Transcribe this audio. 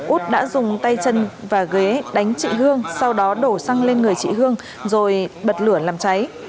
út đã dùng tay chân và ghế đánh chị hương sau đó đổ xăng lên người chị hương rồi bật lửa làm cháy